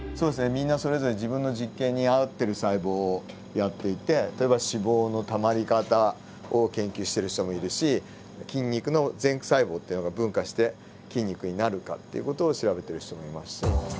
みんなそれぞれ自分の実験に合ってる細胞をやっていて例えば脂肪のたまりかたを研究してる人もいるし筋肉の前駆細胞っていうのが分化して筋肉になるかっていう事を調べてる人もいますし。